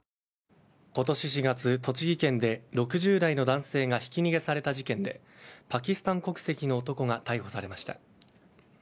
今年４月、栃木県で６０代の男性がひき逃げされた事件でパキスタン国籍の男が逮捕されました。